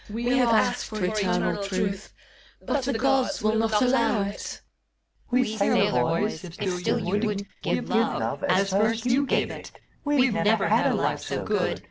We have asked for eternal truth. But the Gods will not allow it. the; youths. We sailor boys, if still you would Give love, as first you gave it. We've never had a life so good.